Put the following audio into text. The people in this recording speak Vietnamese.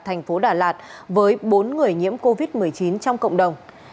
thành phố đà lạt với bốn người nhiễm covid một mươi chín trong cộng đồng